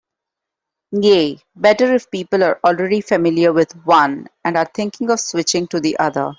Yeah, better if people are already familiar with one and are thinking of switching to the other.